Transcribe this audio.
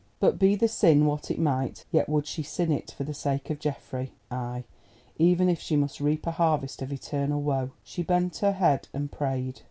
But, be the sin what it might, yet would she sin it for the sake of Geoffrey; ay, even if she must reap a harvest of eternal woe. She bent her head and prayed.